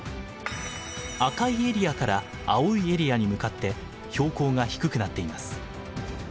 赤いエリアから青いエリアに向かって標高が低くなっています。